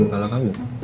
bikin kepala kamu